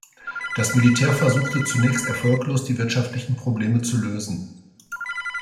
Das Militär versuchte zunächst erfolglos die wirtschaftlichen Probleme zu lösen.